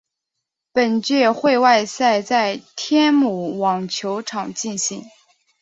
本届会外赛在天母网球场进行。